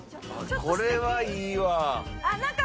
これはいいわ。